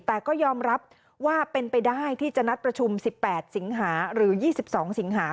แต่ก็ยอมรับว่าเป็นไปได้ที่จะนัดประชุม๑๘สิงหาหรือ๒๒สิงหา